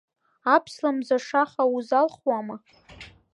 Аԥслымӡ ашаха узалхуама?!